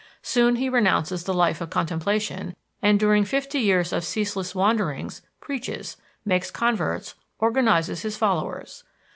Soon he renounces the life of contemplation, and during fifty years of ceaseless wanderings preaches, makes converts, organizes his followers.